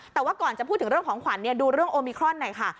แต่ว่าก่อนจะพูดถึงเรื่องของขวัญดูเรื่องโอมิครอนหน่อยค่ะ